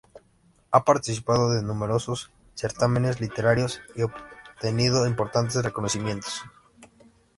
Ha participado de numerosos certámenes literarios y obtenido importantes reconocimientos.